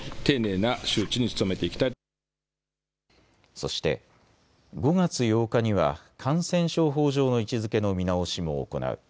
そして、５月８日には感染症法上の位置づけの見直しも行う。